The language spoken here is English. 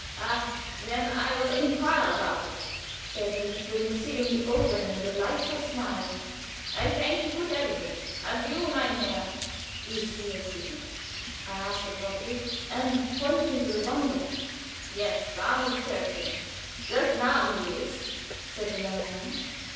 "Ah, then I will inquire about it," said he, with an exceedingly open and delightful smile. "I thank you for telling me. Adieu, mein Herr." "Is he asleep?" I asked, abruptly, and pointing to the bundle. "Yes; armes Kerlchen! just now he is," said the young man.